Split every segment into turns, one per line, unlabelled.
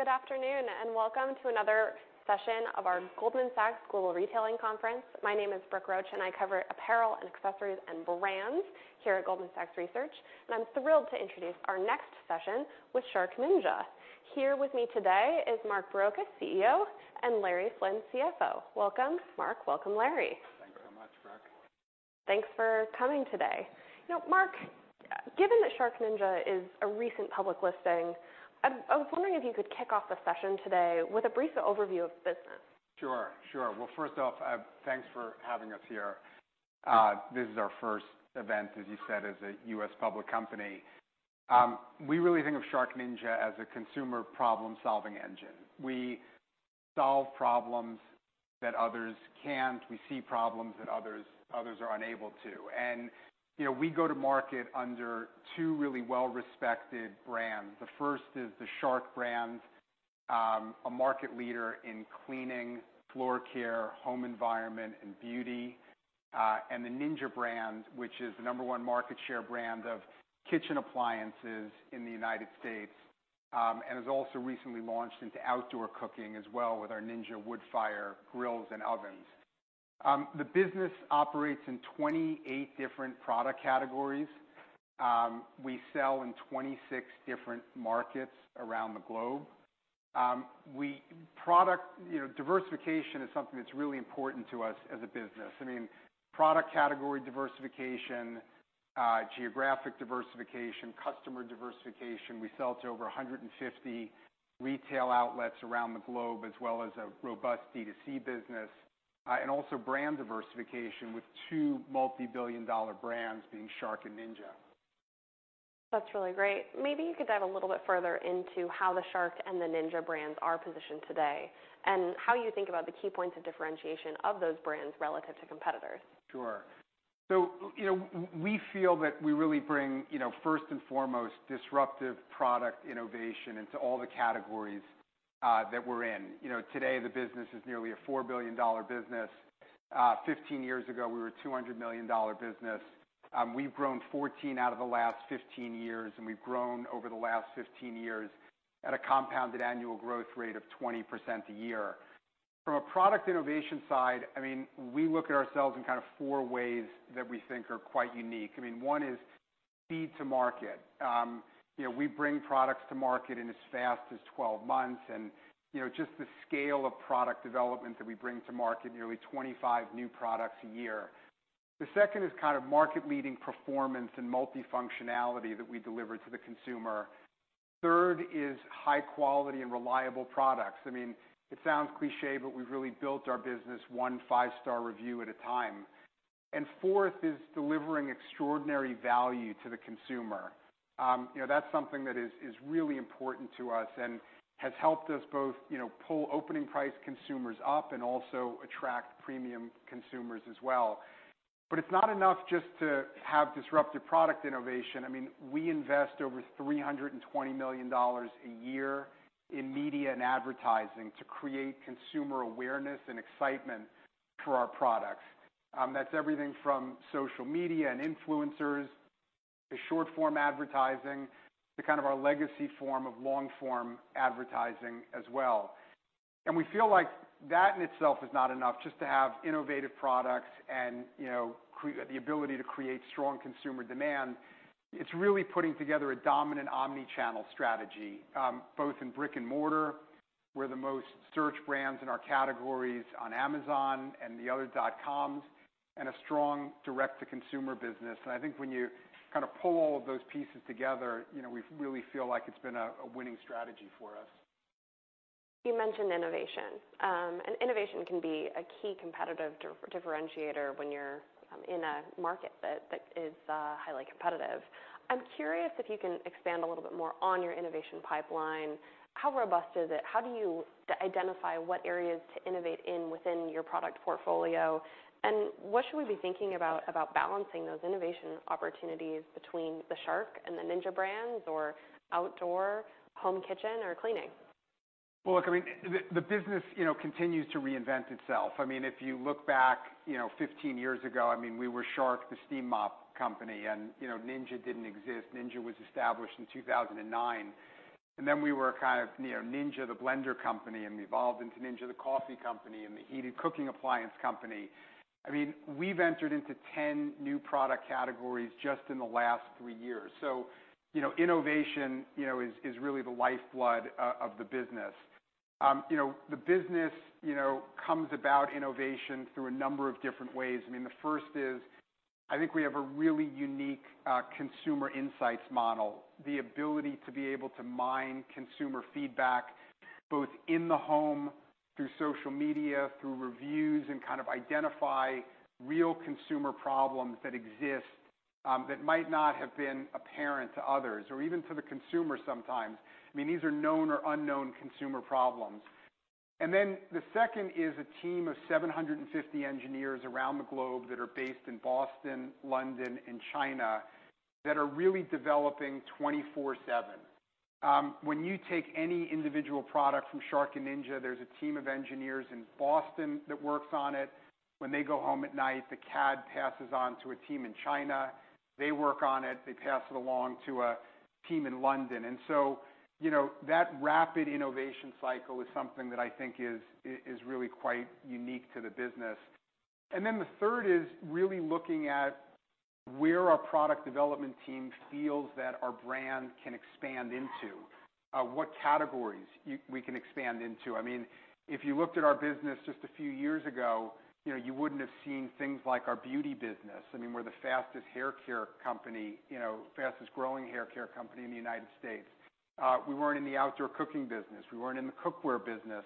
Good afternoon and welcome to another session of our Goldman Sachs Global Retailing Conference. My name is Brooke Roach and I cover apparel and accessories and brands here at Goldman Sachs Research. And I'm thrilled to introduce our next session with SharkNinja. Here with me today is Mark Barrocas, CEO, and Larry Flynn, CFO. Welcome, Mark. Welcome, Larry.
Thanks so much, Brooke.
Thanks for coming today. You know, Mark, given that SharkNinja is a recent public listing, I was wondering if you could kick off the session today with a brief overview of business.
Sure, sure. Well, first off, thanks for having us here. This is our first event, as you said, as a U.S. public company. We really think of SharkNinja as a consumer problem-solving engine. We solve problems that others can't. We see problems that others are unable to. And, you know, we go to market under two really well-respected brands. The first is the Shark brand, a market leader in cleaning, floor care, home environment, and beauty. And the Ninja brand, which is the number one market share brand of kitchen appliances in the United States, and has also recently launched into outdoor cooking as well with our Ninja Woodfire grills and ovens. The business operates in 28 different product categories. We sell in 26 different markets around the globe. Product, you know, diversification is something that's really important to us as a business. I mean, product category diversification, geographic diversification, customer diversification. We sell to over 150 retail outlets around the globe, as well as a robust D2C business. And also brand diversification with two multi-billion dollar brands being Shark and Ninja.
That's really great. Maybe you could dive a little bit further into how the Shark and the Ninja brands are positioned today and how you think about the key points of differentiation of those brands relative to competitors?
Sure. So, you know, we feel that we really bring, you know, first and foremost, disruptive product innovation into all the categories that we're in. You know, today the business is nearly a $4 billion business. Fifteen years ago we were a $200 million business. We've grown 14 out of the last 15 years, and we've grown over the last 15 years at a compounded annual growth rate of 20% a year. From a product innovation side, I mean, we look at ourselves in kind of four ways that we think are quite unique. I mean, one is speed to market. You know, we bring products to market in as fast as 12 months, and you know, just the scale of product development that we bring to market, nearly 25 new products a year. The second is kind of market-leading performance and multi-functionality that we deliver to the consumer. Third is high-quality and reliable products. I mean, it sounds cliché, but we've really built our business one five-star review at a time, and fourth is delivering extraordinary value to the consumer. You know, that's something that is really important to us and has helped us both, you know, pull opening price consumers up and also attract premium consumers as well, but it's not enough just to have disruptive product innovation. I mean, we invest over $320 million a year in media and advertising to create consumer awareness and excitement for our products. That's everything from social media and influencers to short-form advertising to kind of our legacy form of long-form advertising as well, and we feel like that in itself is not enough. Just to have innovative products and, you know, the ability to create strong consumer demand, it's really putting together a dominant omnichannel strategy, both in brick and mortar. We're the most searched brands in our categories on Amazon and the other dot-coms and a strong direct-to-consumer business. And I think when you kind of pull all of those pieces together, you know, we really feel like it's been a winning strategy for us.
You mentioned innovation. And innovation can be a key competitive differentiator when you're in a market that is highly competitive. I'm curious if you can expand a little bit more on your innovation pipeline. How robust is it? How do you identify what areas to innovate in within your product portfolio? And what should we be thinking about balancing those innovation opportunities between the Shark and the Ninja brands or outdoor home kitchen or cleaning?
Well, look, I mean, the business, you know, continues to reinvent itself. I mean, if you look back, you know, 15 years ago, I mean, we were Shark, the steam mop company. And, you know, Ninja didn't exist. Ninja was established in 2009. And then we were kind of, you know, Ninja the blender company and we evolved into Ninja the coffee company and the heated cooking appliance company. I mean, we've entered into 10 new product categories just in the last three years. So, you know, innovation, you know, is really the lifeblood of the business. You know, the business, you know, comes about innovation through a number of different ways. I mean, the first is I think we have a really unique consumer insights model. The ability to be able to mine consumer feedback both in the home through social media, through reviews, and kind of identify real consumer problems that exist that might not have been apparent to others or even to the consumer sometimes. I mean, these are known or unknown consumer problems. And then the second is a team of 750 engineers around the globe that are based in Boston, London, and China that are really developing 24/7. When you take any individual product from Shark and Ninja, there's a team of engineers in Boston that works on it. When they go home at night, the CAD passes on to a team in China. They work on it. They pass it along to a team in London. And so, you know, that rapid innovation cycle is something that I think is really quite unique to the business. And then the third is really looking at where our product development team feels that our brand can expand into. What categories we can expand into. I mean, if you looked at our business just a few years ago, you know, you wouldn't have seen things like our beauty business. I mean, we're the fastest hair care company, you know, fastest growing hair care company in the United States. We weren't in the outdoor cooking business. We weren't in the cookware business.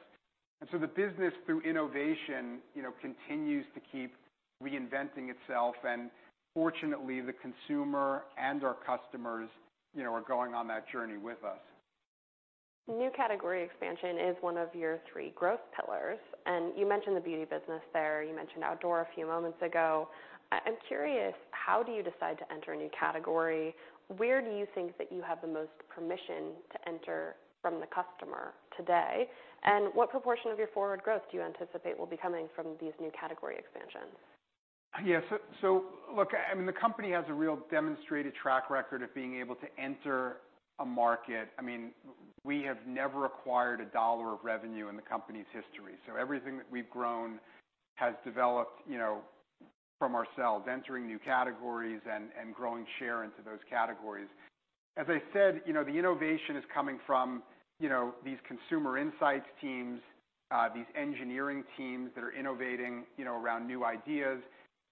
And so the business, through innovation, you know, continues to keep reinventing itself. And fortunately, the consumer and our customers, you know, are going on that journey with us.
New category expansion is one of your three growth pillars. And you mentioned the beauty business there. You mentioned outdoor a few moments ago. I'm curious, how do you decide to enter a new category? Where do you think that you have the most permission to enter from the customer today? And what proportion of your forward growth do you anticipate will be coming from these new category expansions?
Yeah. So, look, I mean, the company has a real demonstrated track record of being able to enter a market. I mean, we have never acquired a dollar of revenue in the company's history. So everything that we've grown has developed, you know, from ourselves, entering new categories and growing share into those categories. As I said, you know, the innovation is coming from, you know, these consumer insights teams, these engineering teams that are innovating, you know, around new ideas,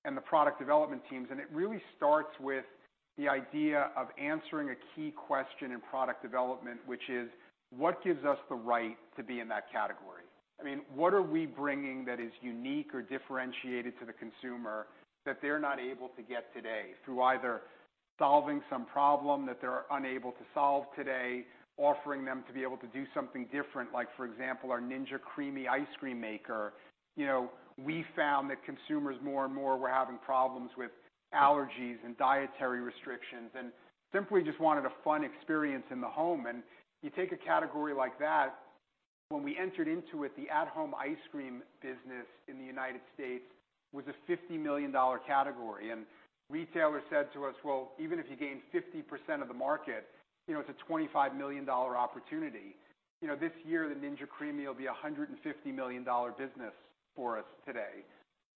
and the product development teams. And it really starts with the idea of answering a key question in product development, which is, what gives us the right to be in that category? I mean, what are we bringing that is unique or differentiated to the consumer that they're not able to get today through either solving some problem that they're unable to solve today, offering them to be able to do something different, like, for example, our Ninja CREAMi ice cream maker? You know, we found that consumers more and more were having problems with allergies and dietary restrictions and simply just wanted a fun experience in the home. And you take a category like that. When we entered into it, the at-home ice cream business in the United States was a $50 million category. And retailers said to us, well, even if you gain 50% of the market, you know, it's a $25 million opportunity. You know, this year the Ninja CREAMi will be a $150 million business for us today.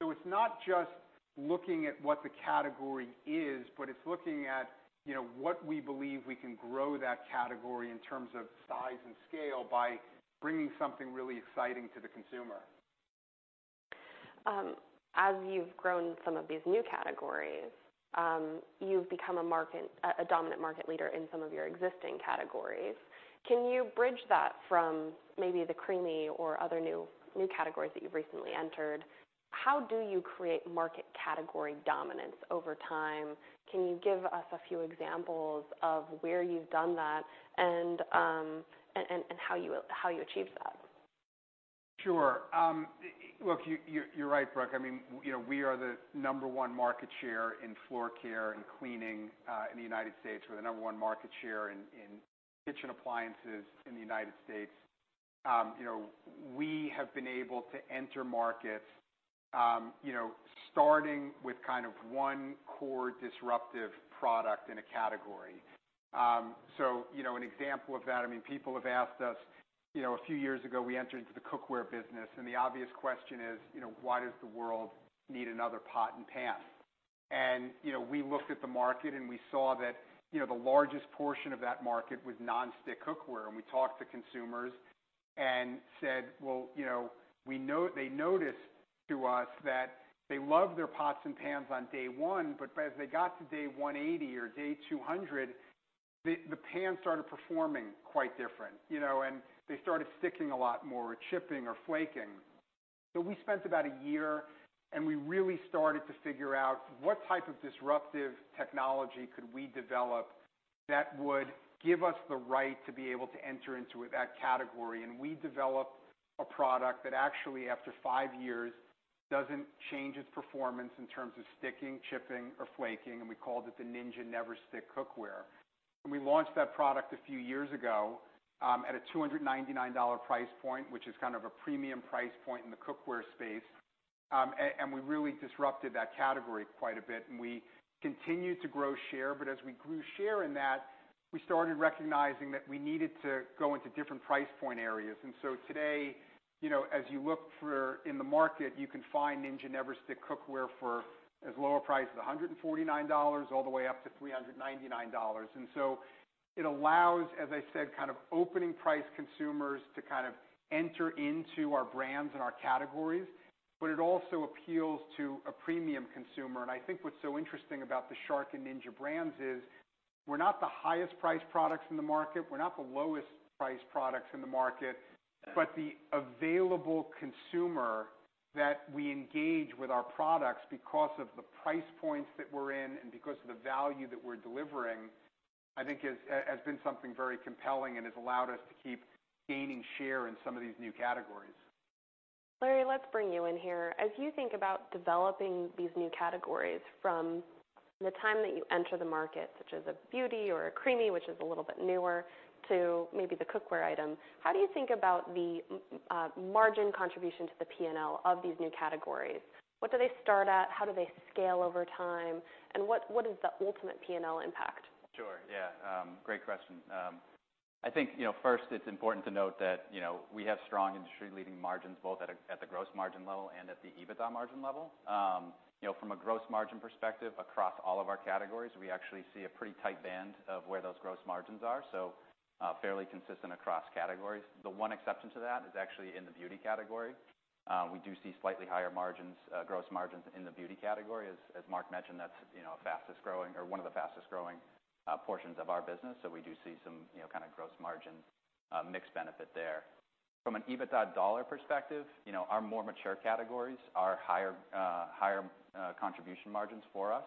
So it's not just looking at what the category is, but it's looking at, you know, what we believe we can grow that category in terms of size and scale by bringing something really exciting to the consumer.
As you've grown some of these new categories, you've become a market, a dominant market leader in some of your existing categories. Can you bridge that from maybe the CREAMi or other new categories that you've recently entered? How do you create market category dominance over time? Can you give us a few examples of where you've done that and how you achieved that?
Sure. Look, you're right, Brooke. I mean, you know, we are the number one market share in floor care and cleaning in the United States. We're the number one market share in kitchen appliances in the United States. You know, we have been able to enter markets, you know, starting with kind of one core disruptive product in a category. So, you know, an example of that, I mean, people have asked us, you know, a few years ago we entered into the cookware business. And the obvious question is, you know, why does the world need another pot and pan? And, you know, we looked at the market and we saw that, you know, the largest portion of that market was non-stick cookware. We talked to consumers and said, well, you know, they noticed to us that they loved their pots and pans on day one, but as they got to day 180 or day 200, the pans started performing quite different. You know, they started sticking a lot more or chipping or flaking. We spent about a year and we really started to figure out what type of disruptive technology could we develop that would give us the right to be able to enter into that category. We developed a product that actually, after five years, doesn't change its performance in terms of sticking, chipping, or flaking. We called it the Ninja NeverStick cookware. We launched that product a few years ago at a $299 price point, which is kind of a premium price point in the cookware space. We really disrupted that category quite a bit. We continued to grow share. As we grew share in that, we started recognizing that we needed to go into different price point areas. Today, you know, as you look for in the market, you can find Ninja NeverStick cookware for as low a price as $149 all the way up to $399. It allows, as I said, kind of opening price consumers to kind of enter into our brands and our categories. It also appeals to a premium consumer. I think what's so interesting about the Shark and Ninja brands is we're not the highest priced products in the market. We're not the lowest priced products in the market. But the available consumer that we engage with our products, because of the price points that we're in and because of the value that we're delivering, I think, has been something very compelling and has allowed us to keep gaining share in some of these new categories.
Larry, let's bring you in here. As you think about developing these new categories from the time that you enter the market, such as a beauty or a CREAMi, which is a little bit newer, to maybe the cookware item, how do you think about the margin contribution to the P&L of these new categories? What do they start at? How do they scale over time? And what is the ultimate P&L impact?
Sure. Yeah. Great question. I think, you know, first it's important to note that, you know, we have strong industry-leading margins both at the gross margin level and at the EBITDA margin level. You know, from a gross margin perspective across all of our categories, we actually see a pretty tight band of where those gross margins are. So fairly consistent across categories. The one exception to that is actually in the beauty category. We do see slightly higher margins, gross margins in the beauty category. As Mark mentioned, that's, you know, a fastest growing or one of the fastest growing portions of our business. So we do see some, you know, kind of gross margin mixed benefit there. From an EBITDA dollar perspective, you know, our more mature categories are higher contribution margins for us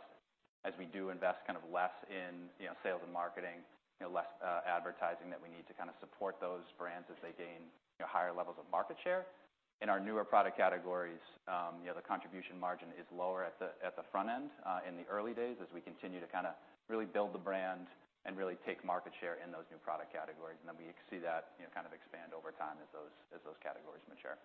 as we do invest kind of less in, you know, sales and marketing, you know, less advertising that we need to kind of support those brands as they gain, you know, higher levels of market share. In our newer product categories, you know, the contribution margin is lower at the front end in the early days as we continue to kind of really build the brand and really take market share in those new product categories. And then we see that, you know, kind of expand over time as those categories mature.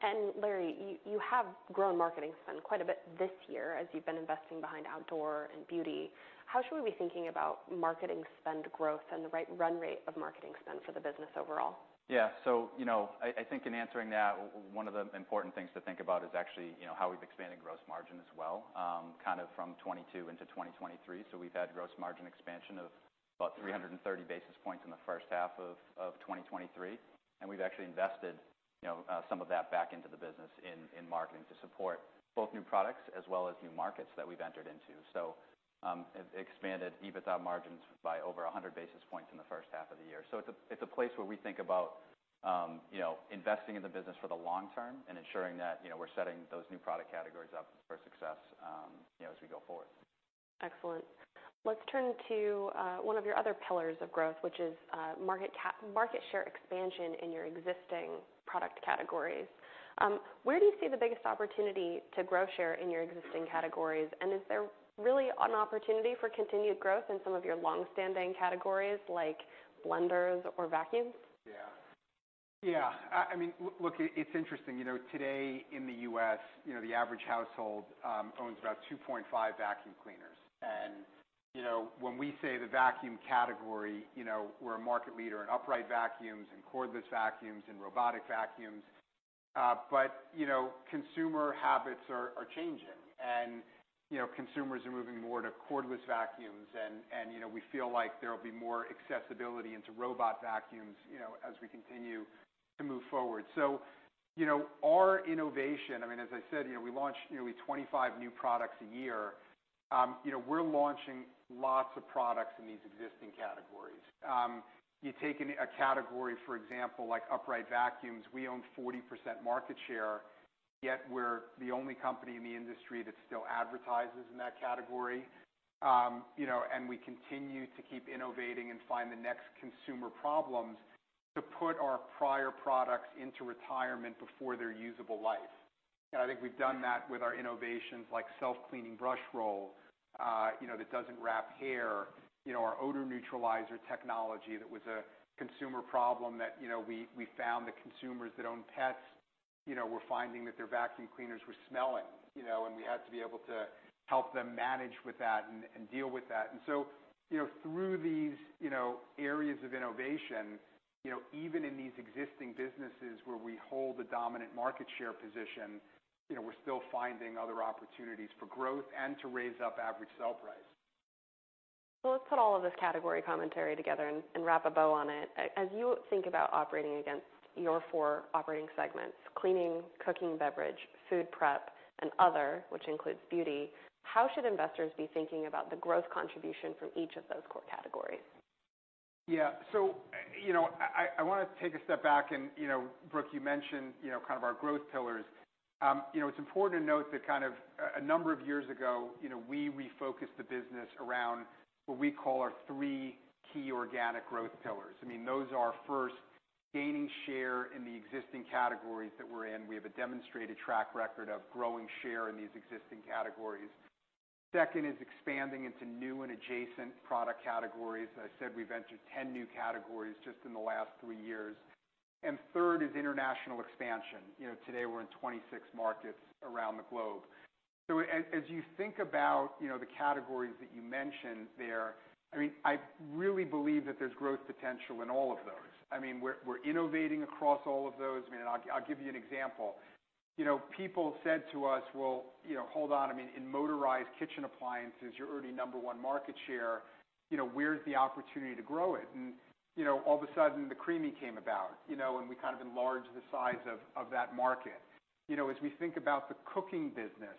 And Larry, you have grown marketing spend quite a bit this year as you've been investing behind outdoor and beauty. How should we be thinking about marketing spend growth and the right run rate of marketing spend for the business overall?
Yeah. So, you know, I think in answering that, one of the important things to think about is actually, you know, how we've expanded gross margin as well, kind of from 2022 into 2023. So we've had gross margin expansion of about 330 basis points in the first half of 2023. And we've actually invested, you know, some of that back into the business in marketing to support both new products as well as new markets that we've entered into, so expanded EBITDA margins by over 100 basis points in the first half of the year, so it's a place where we think about, you know, investing in the business for the long term and ensuring that, you know, we're setting those new product categories up for success, you know, as we go forward.
Excellent. Let's turn to one of your other pillars of growth, which is market share expansion in your existing product categories. Where do you see the biggest opportunity to grow share in your existing categories? And is there really an opportunity for continued growth in some of your longstanding categories like blenders or vacuums?
Yeah. Yeah. I mean, look, it's interesting. You know, today in the U.S., you know, the average household owns about 2.5 vacuum cleaners, and you know, when we say the vacuum category, you know, we're a market leader in upright vacuums and cordless vacuums and robotic vacuums, but you know, consumer habits are changing, and you know, consumers are moving more to cordless vacuums, and you know, we feel like there'll be more accessibility into robot vacuums, you know, as we continue to move forward, so you know, our innovation, I mean, as I said, you know, we launch nearly 25 new products a year. You know, we're launching lots of products in these existing categories. You take a category, for example, like upright vacuums, we own 40% market share, yet we're the only company in the industry that still advertises in that category. You know, and we continue to keep innovating and find the next consumer problems to put our prior products into retirement before their usable life. And I think we've done that with our innovations like self-cleaning brush roll, you know, that doesn't wrap hair, you know, our odor neutralizer technology that was a consumer problem that, you know, we found that consumers that own pets, you know, were finding that their vacuum cleaners were smelling, you know, and we had to be able to help them manage with that and deal with that. And so, you know, through these, you know, areas of innovation, you know, even in these existing businesses where we hold the dominant market share position, you know, we're still finding other opportunities for growth and to raise up average sale price.
Let's put all of this category commentary together and wrap a bow on it. As you think about operating against your four operating segments, cleaning, cooking, beverage, food prep, and other, which includes beauty, how should investors be thinking about the growth contribution from each of those core categories?
Yeah. So you know, I want to take a step back and you know, Brooke, you mentioned you know, kind of our growth pillars. You know, it's important to note that kind of a number of years ago you know, we refocused the business around what we call our three key organic growth pillars. I mean, those are first, gaining share in the existing categories that we're in. We have a demonstrated track record of growing share in these existing categories. Second is expanding into new and adjacent product categories. As I said, we've entered 10 new categories just in the last three years. And third is international expansion. You know, today we're in 26 markets around the globe. So as you think about you know, the categories that you mentioned there, I mean, I really believe that there's growth potential in all of those. I mean, we're innovating across all of those. I mean, and I'll give you an example. You know, people said to us, well, you know, hold on. I mean, in motorized kitchen appliances, you're already number one market share. You know, where's the opportunity to grow it? And, you know, all of a sudden the CREAMi came about, you know, and we kind of enlarged the size of that market. You know, as we think about the cooking business,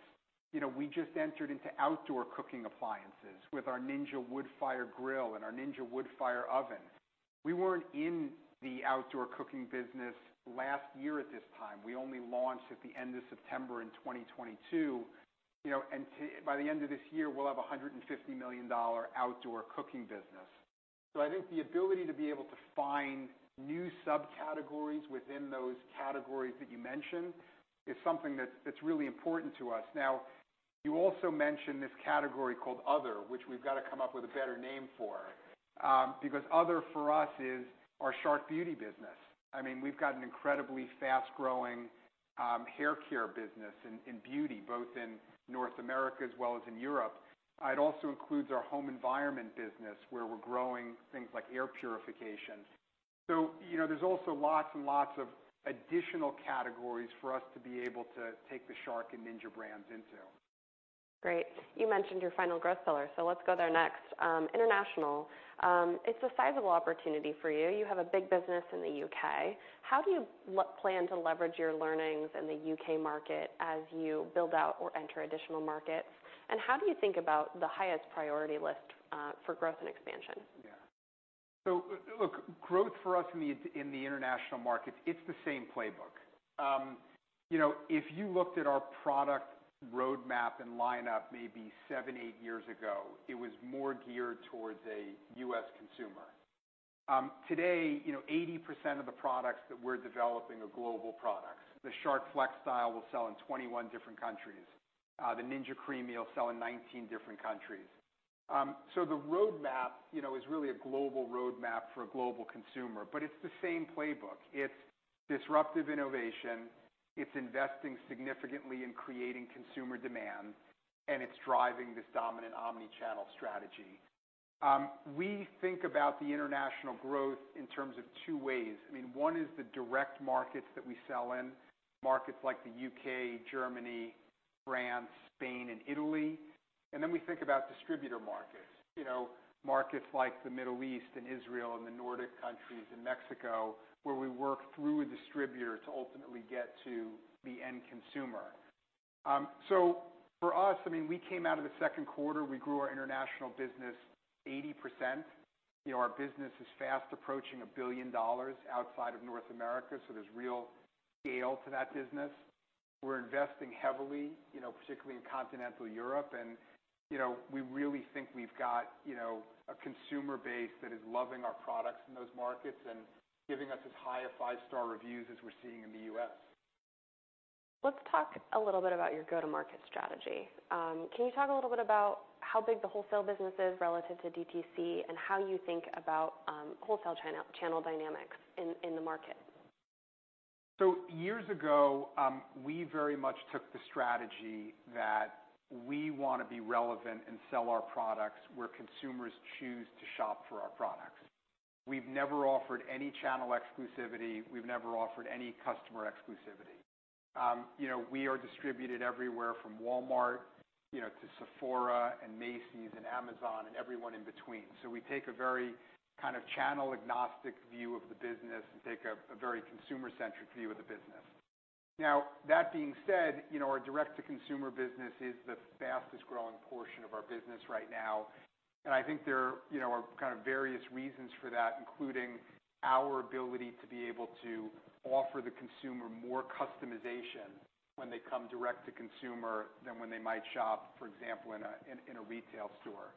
you know, we just entered into outdoor cooking appliances with our Ninja Woodfire Grill and our Ninja Woodfire Oven. We weren't in the outdoor cooking business last year at this time. We only launched at the end of September in 2022. You know, and by the end of this year, we'll have a $150 million outdoor cooking business. I think the ability to be able to find new subcategories within those categories that you mentioned is something that's really important to us. Now, you also mentioned this category called other, which we've got to come up with a better name for because other for us is our Shark Beauty business. I mean, we've got an incredibly fast-growing hair care business in Beauty, both in North America as well as in Europe. It also includes our home environment business where we're growing things like air purification. You know, there's also lots and lots of additional categories for us to be able to take the Shark and Ninja brands into.
Great. You mentioned your final growth pillar. So let's go there next. International. It's a sizable opportunity for you. You have a big business in the U.K. How do you plan to leverage your learnings in the U.K. market as you build out or enter additional markets? And how do you think about the highest priority list for growth and expansion?
Yeah. So look, growth for us in the international markets, it's the same playbook. You know, if you looked at our product roadmap and lineup maybe seven, eight years ago, it was more geared towards a U.S. consumer. Today, you know, 80% of the products that we're developing are global products. The Shark FlexStyle will sell in 21 different countries. The Ninja CREAMi will sell in 19 different countries. So the roadmap, you know, is really a global roadmap for a global consumer. But it's the same playbook. It's disruptive innovation. It's investing significantly in creating consumer demand. And it's driving this dominant omnichannel strategy. We think about the international growth in terms of two ways. I mean, one is the direct markets that we sell in, markets like the U.K., Germany, France, Spain, and Italy. And then we think about distributor markets, you know, markets like the Middle East and Israel and the Nordic countries and Mexico, where we work through a distributor to ultimately get to the end consumer. So for us, I mean, we came out of the second quarter, we grew our international business 80%. You know, our business is fast approaching $1 billion outside of North America. So there's real scale to that business. We're investing heavily, you know, particularly in continental Europe. And, you know, we really think we've got, you know, a consumer base that is loving our products in those markets and giving us as high a five-star reviews as we're seeing in the U.S.
Let's talk a little bit about your go-to-market strategy. Can you talk a little bit about how big the wholesale business is relative to DTC and how you think about wholesale channel dynamics in the market?
So years ago, we very much took the strategy that we want to be relevant and sell our products where consumers choose to shop for our products. We've never offered any channel exclusivity. We've never offered any customer exclusivity. You know, we are distributed everywhere from Walmart, you know, to Sephora and Macy's and Amazon and everyone in between. So we take a very kind of channel agnostic view of the business and take a very consumer-centric view of the business. Now, that being said, you know, our direct-to-consumer business is the fastest-growing portion of our business right now. And I think there, you know, are kind of various reasons for that, including our ability to be able to offer the consumer more customization when they come direct-to-consumer than when they might shop, for example, in a retail store.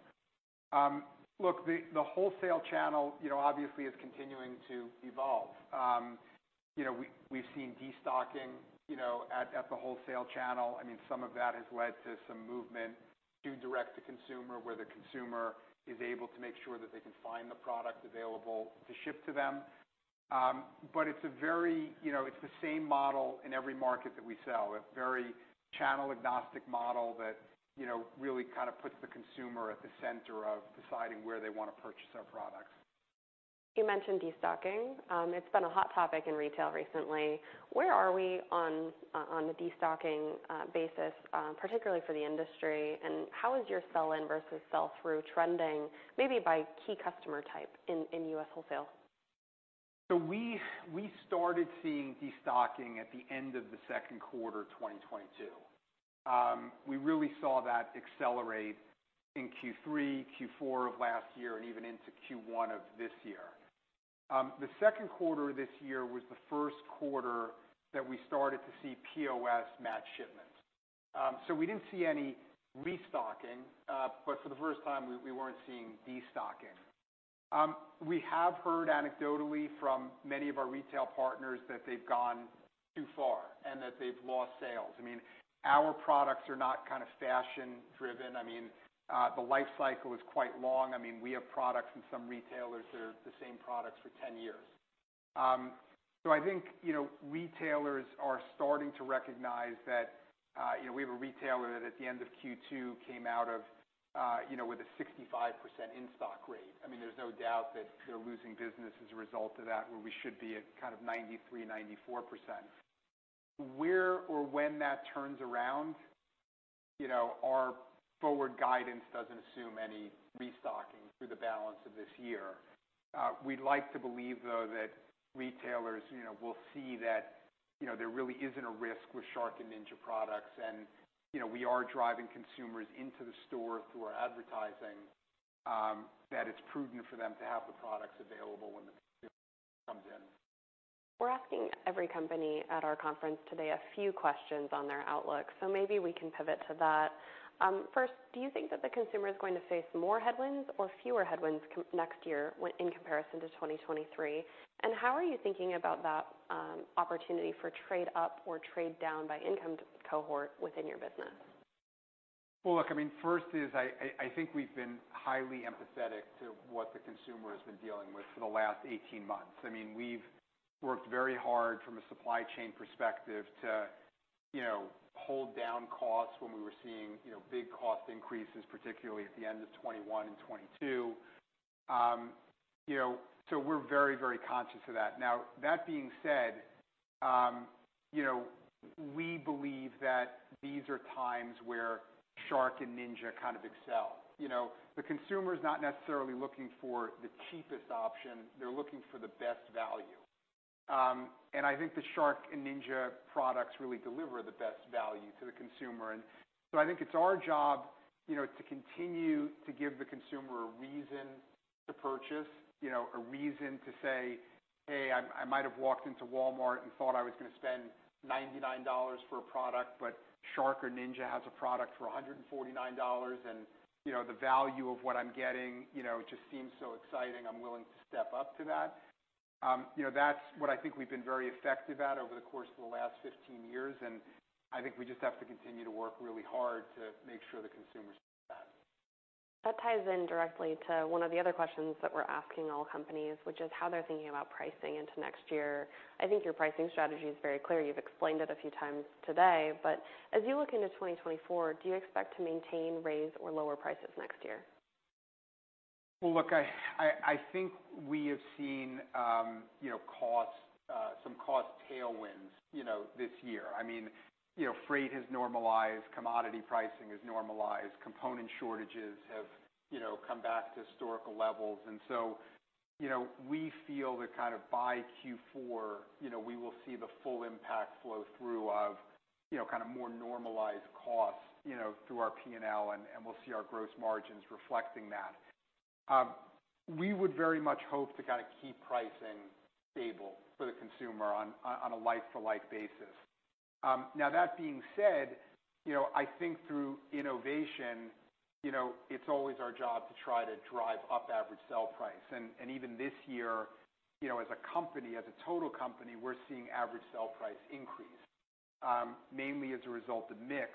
Look, the wholesale channel, you know, obviously is continuing to evolve. You know, we've seen destocking, you know, at the wholesale channel. I mean, some of that has led to some movement to direct-to-consumer where the consumer is able to make sure that they can find the product available to ship to them. But it's a very, you know, it's the same model in every market that we sell, a very channel agnostic model that, you know, really kind of puts the consumer at the center of deciding where they want to purchase our products.
You mentioned destocking. It's been a hot topic in retail recently. Where are we on the destocking basis, particularly for the industry? And how is your sell-in versus sell-through trending maybe by key customer type in U.S. wholesale?
So we started seeing destocking at the end of the second quarter of 2022. We really saw that accelerate in Q3, Q4 of last year, and even into Q1 of this year. The second quarter of this year was the first quarter that we started to see POS match shipments. So we didn't see any restocking. But for the first time, we weren't seeing destocking. We have heard anecdotally from many of our retail partners that they've gone too far and that they've lost sales. I mean, our products are not kind of fashion-driven. I mean, the life cycle is quite long. I mean, we have products in some retailers that are the same products for 10 years. So I think, you know, retailers are starting to recognize that, you know, we have a retailer that at the end of Q2 came out of, you know, with a 65% in-stock rate. I mean, there's no doubt that they're losing business as a result of that, where we should be at kind of 93%-94%. Where or when that turns around, you know, our forward guidance doesn't assume any restocking through the balance of this year. We'd like to believe, though, that retailers, you know, will see that, you know, there really isn't a risk with Shark and Ninja products. And, you know, we are driving consumers into the store through our advertising that it's prudent for them to have the products available when the consumer comes in.
We're asking every company at our conference today a few questions on their outlook. So maybe we can pivot to that. First, do you think that the consumer is going to face more headwinds or fewer headwinds next year in comparison to 2023? And how are you thinking about that opportunity for trade-up or trade-down by income cohort within your business?
Look, I mean, first is I think we've been highly empathetic to what the consumer has been dealing with for the last 18 months. I mean, we've worked very hard from a supply chain perspective to, you know, hold down costs when we were seeing, you know, big cost increases, particularly at the end of 2021 and 2022. You know, so we're very, very conscious of that. Now, that being said, you know, we believe that these are times where Shark and Ninja kind of excel. You know, the consumer is not necessarily looking for the cheapest option. They're looking for the best value. And I think the Shark and Ninja products really deliver the best value to the consumer. And so I think it's our job, you know, to continue to give the consumer a reason to purchase, you know, a reason to say, "Hey, I might have walked into Walmart and thought I was going to spend $99 for a product, but Shark or Ninja has a product for $149. And, you know, the value of what I'm getting, you know, just seems so exciting. I'm willing to step up to that." You know, that's what I think we've been very effective at over the course of the last 15 years. And I think we just have to continue to work really hard to make sure the consumers see that.
That ties in directly to one of the other questions that we're asking all companies, which is how they're thinking about pricing into next year. I think your pricing strategy is very clear. You've explained it a few times today. But as you look into 2024, do you expect to maintain, raise, or lower prices next year?
Well, look, I think we have seen, you know, some cost tailwinds, you know, this year. I mean, you know, freight has normalized. Commodity pricing has normalized. Component shortages have, you know, come back to historical levels. And so, you know, we feel that kind of by Q4, you know, we will see the full impact flow through of, you know, kind of more normalized costs, you know, through our P&L, and we'll see our gross margins reflecting that. We would very much hope to kind of keep pricing stable for the consumer on a like-for-like basis. Now, that being said, you know, I think through innovation, you know, it's always our job to try to drive up average sale price. And even this year, you know, as a company, as a total company, we're seeing average sale price increase, mainly as a result of mix.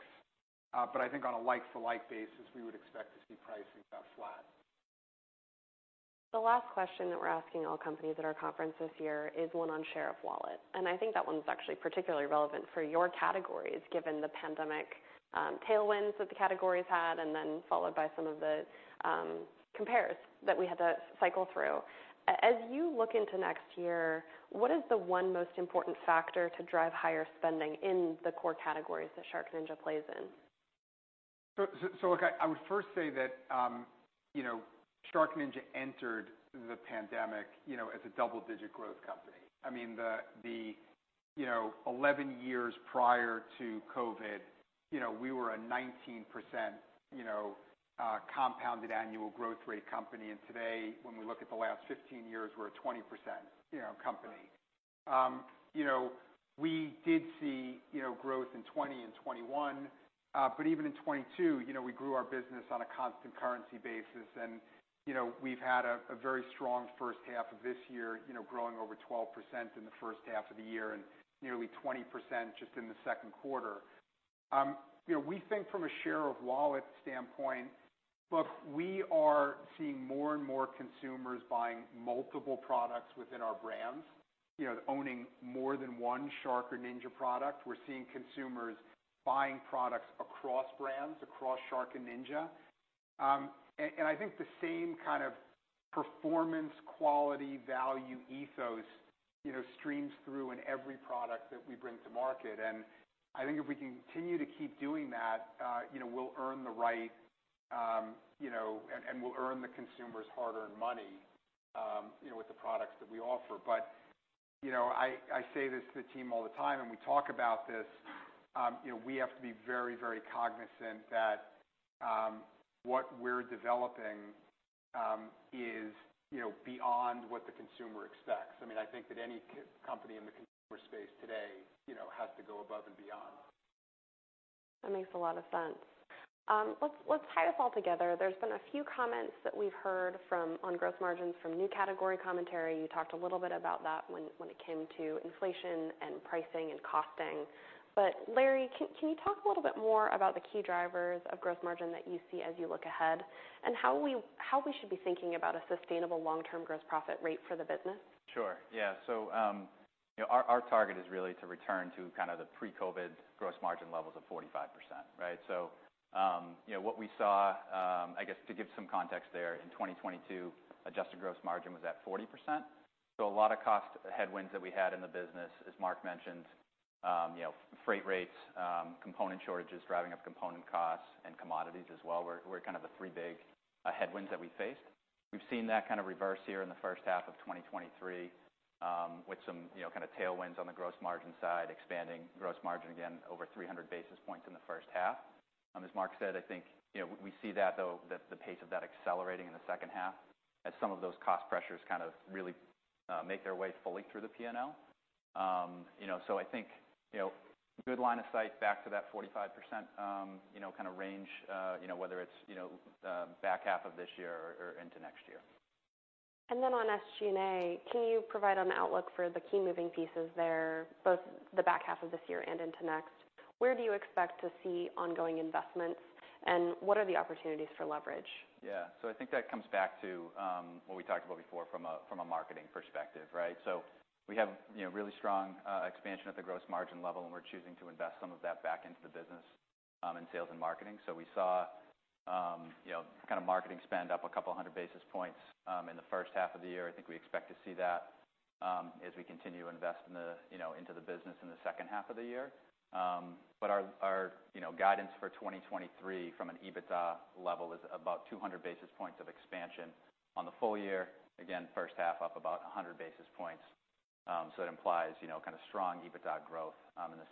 But I think on a like-for-like basis, we would expect to see pricing kind of flat.
The last question that we're asking all companies at our conference this year is one on share of wallet, and I think that one's actually particularly relevant for your categories given the pandemic tailwinds that the categories had and then followed by some of the compares that we had to cycle through. As you look into next year, what is the one most important factor to drive higher spending in the core categories that SharkNinja plays in?
So look, I would first say that, you know, SharkNinja entered the pandemic, you know, as a double-digit growth company. I mean, the, you know, 11 years prior to COVID, you know, we were a 19% compounded annual growth rate company. And today, when we look at the last 15 years, we're a 20% company. You know, we did see, you know, growth in 2020 and 2021. But even in 2022, you know, we grew our business on a constant currency basis. And, you know, we've had a very strong first half of this year, you know, growing over 12% in the first half of the year and nearly 20% just in the second quarter. You know, we think from a share of wallet standpoint, look, we are seeing more and more consumers buying multiple products within our brands, you know, owning more than one Shark or Ninja product. We're seeing consumers buying products across brands, across Shark and Ninja. And I think the same kind of performance, quality, value ethos, you know, streams through in every product that we bring to market. And I think if we continue to keep doing that, you know, we'll earn the right, you know, and we'll earn the consumers hard-earned money, you know, with the products that we offer. But, you know, I say this to the team all the time, and we talk about this. You know, we have to be very, very cognizant that what we're developing is, you know, beyond what the consumer expects. I mean, I think that any company in the consumer space today, you know, has to go above and beyond.
That makes a lot of sense. Let's tie this all together. There's been a few comments that we've heard on gross margins from new category commentary. You talked a little bit about that when it came to inflation and pricing and costing. But Larry, can you talk a little bit more about the key drivers of gross margin that you see as you look ahead and how we should be thinking about a sustainable long-term gross profit rate for the business?
Sure. Yeah. So our target is really to return to kind of the pre-COVID gross margin levels of 45%, right? So, you know, what we saw, I guess to give some context there, in 2022, adjusted gross margin was at 40%. So a lot of cost headwinds that we had in the business, as Mark mentioned, you know, freight rates, component shortages driving up component costs, and commodities as well were kind of the three big headwinds that we faced. We've seen that kind of reverse here in the first half of 2023 with some, you know, kind of tailwinds on the gross margin side, expanding gross margin again over 300 basis points in the first half. As Mark said, I think, you know, we see that, though, the pace of that accelerating in the second half as some of those cost pressures kind of really make their way fully through the P&L. You know, so I think, you know, good line of sight back to that 45%, you know, kind of range, you know, whether it's, you know, back half of this year or into next year.
And then on SG&A, can you provide an outlook for the key moving pieces there, both the back half of this year and into next? Where do you expect to see ongoing investments, and what are the opportunities for leverage?
Yeah. So I think that comes back to what we talked about before from a marketing perspective, right? So we have, you know, really strong expansion at the gross margin level, and we're choosing to invest some of that back into the business in sales and marketing. So we saw, you know, kind of marketing spend up a couple hundred basis points in the first half of the year. I think we expect to see that as we continue to invest in the, you know, into the business in the second half of the year. But our, you know, guidance for 2023 from an EBITDA level is about 200 basis points of expansion on the full year. Again, first half up about 100 basis points. So that implies, you know, kind of strong EBITDA growth in the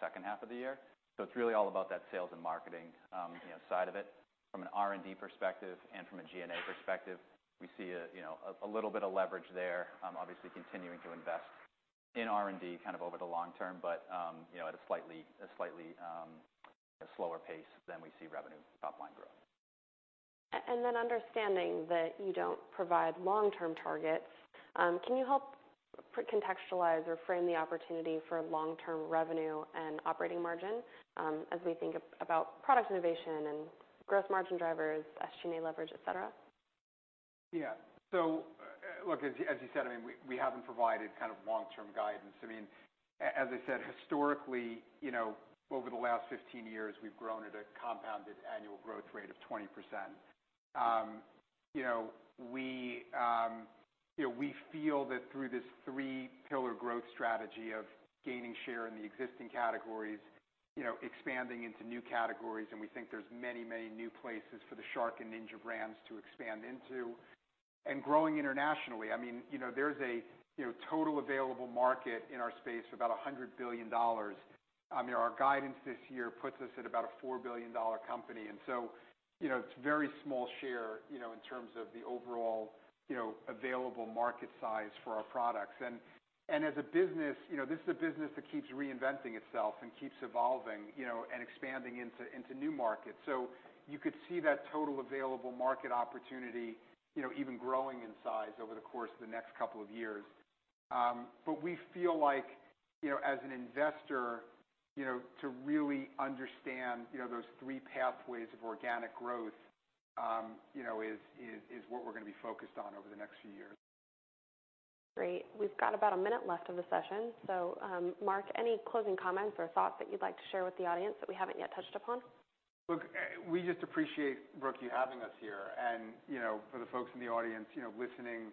second half of the year. So it's really all about that sales and marketing, you know, side of it. From an R&D perspective and from a G&A perspective, we see a, you know, a little bit of leverage there, obviously continuing to invest in R&D kind of over the long term, but, you know, at a slightly slower pace than we see revenue top-line growth.
And then understanding that you don't provide long-term targets, can you help contextualize or frame the opportunity for long-term revenue and operating margin as we think about product innovation and gross margin drivers, SG&A leverage, etc.?
Yeah. So look, as you said, I mean, we haven't provided kind of long-term guidance. I mean, as I said, historically, you know, over the last 15 years, we've grown at a compounded annual growth rate of 20%. You know, we, you know, we feel that through this three-pillar growth strategy of gaining share in the existing categories, you know, expanding into new categories, and we think there's many, many new places for the Shark and Ninja brands to expand into. And growing internationally, I mean, you know, there's a, you know, total available market in our space for about $100 billion. I mean, our guidance this year puts us at about a $4 billion company. And so, you know, it's a very small share, you know, in terms of the overall, you know, available market size for our products. And as a business, you know, this is a business that keeps reinventing itself and keeps evolving, you know, and expanding into new markets. So you could see that total available market opportunity, you know, even growing in size over the course of the next couple of years. But we feel like, you know, as an investor, you know, to really understand, you know, those three pathways of organic growth, you know, is what we're going to be focused on over the next few years.
Great. We've got about a minute left of the session. So, Mark, any closing comments or thoughts that you'd like to share with the audience that we haven't yet touched upon?
Look, we just appreciate, Brooke, you having us here, and you know, for the folks in the audience, you know, listening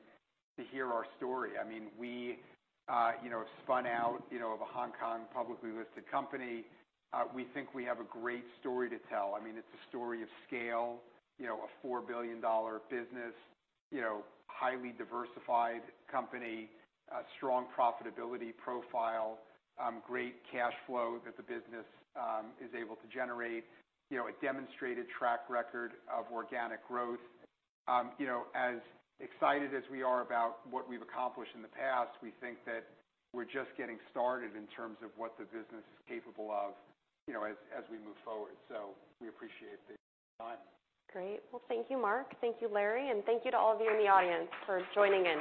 to hear our story. I mean, we, you know, spun out, you know, of a Hong Kong publicly listed company. We think we have a great story to tell. I mean, it's a story of scale, you know, a $4 billion business, you know, highly diversified company, strong profitability profile, great cash flow that the business is able to generate. You know, a demonstrated track record of organic growth. You know, as excited as we are about what we've accomplished in the past, we think that we're just getting started in terms of what the business is capable of, you know, as we move forward, so we appreciate the time.
Great. Well, thank you, Mark. Thank you, Larry. And thank you to all of you in the audience for joining in.